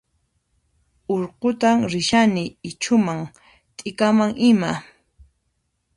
Urqutan rishani ichhuman t'ikaman ima